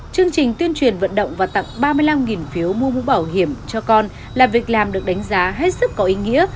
chương trình tuyên truyền vận động và tặng ba mươi năm phiếu mua mũ bảo hiểm cho con là việc làm được đánh giá hết sức có ý nghĩa